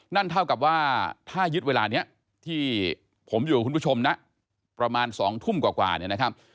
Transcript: นั่นเท่ากับว่าถ้ายึดเวลานี้ที่ผมอยู่กับคุณผู้ชมนะประมาณ๒ทุ่มกว่าเนี่ยนะครับ